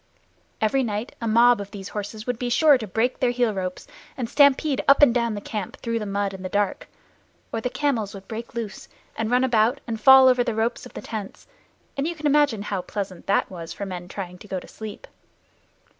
Every night a mob of these horses would be sure to break their heel ropes and stampede up and down the camp through the mud in the dark, or the camels would break loose and run about and fall over the ropes of the tents, and you can imagine how pleasant that was for men trying to go to sleep.